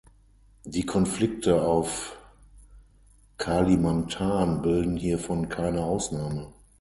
Die Konflikte auf Kalimantan bilden hiervon keine Ausnahme.